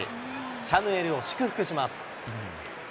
シャヌエルを祝福します。